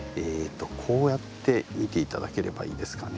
こうやって見て頂ければいいですかね。